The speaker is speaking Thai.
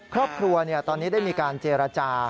ครอบครัวตอนนี้ได้มีการเจรจา